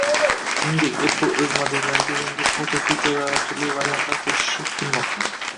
Shuningdek, Apple o‘z modellariga yangi fotofiltrlar va turli variantlar qo‘shishi kutilmoqda